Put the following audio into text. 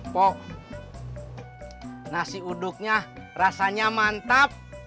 pok nasi uduknya rasanya mantap